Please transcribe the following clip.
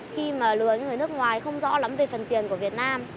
khi mà lừa cho người nước ngoài không rõ lắm về phần tiền của việt nam